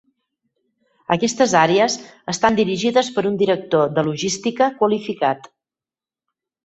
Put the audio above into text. Aquestes àrees estan dirigides per un director de logística qualificat.